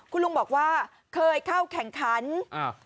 คุณลุงบอกว่าเคยเข้าแข่งขันอ่า